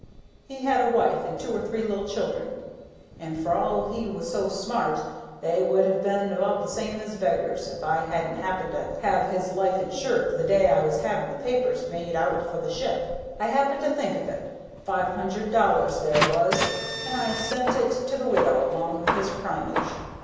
He had a wife and two or three little children, and for all he was so smart, they would have been about the same as beggars, if I hadn't happened to have his life insured the day I was having the papers made out for the ship. I happened to think of it. Five thousand dollars there was, and I sent it to the widow along with his primage.